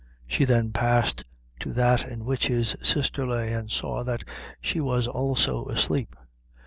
She then passed to that in which his sister lay, and saw that she was also asleep.